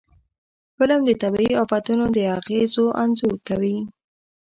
فلم د طبعي آفتونو د اغېزو انځور کوي